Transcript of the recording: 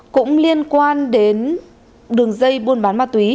cũng liên quan đến đường dây buôn bán ma túy